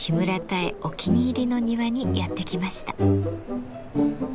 お気に入りの庭にやって来ました。